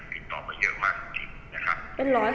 คุณพ่อได้จดหมายมาที่บ้าน